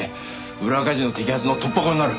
裏カジノ摘発の突破口になる。